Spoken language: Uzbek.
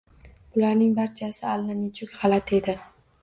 Bularning barchasi allanechuk g'alati edi.